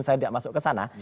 saya tidak masuk ke sana